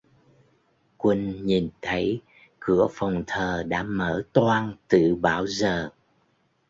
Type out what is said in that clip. Quân nhìn thấy cửa phòng thờ đã mở toang tự bảo giờ